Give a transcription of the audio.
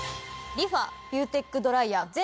リファビューテックドライヤー